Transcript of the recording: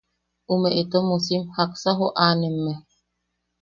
¿Ume itom uusim jaksa joʼanemme?